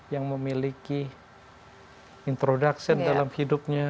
yang memiliki introduction dalam hidupnya